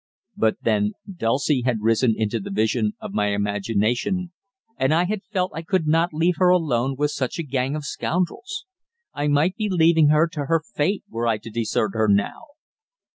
But then Dulcie had risen into the vision of my imagination and I had felt I could not leave her alone with such a gang of scoundrels I might be leaving her to her fate were I to desert her now.